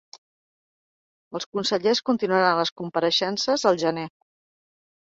Els consellers continuaran les compareixences al gener.